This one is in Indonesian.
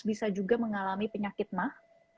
bisa juga mengalami penyakit mah